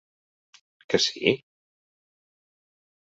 Que sí?